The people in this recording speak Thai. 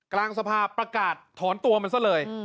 กลางสภาพประกาศถอนตัวมันซะเลย